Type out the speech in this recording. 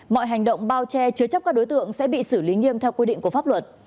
mọi hành động bao che chứa chấp các đối tượng sẽ bị xử lý nghiêm theo quy định của pháp luật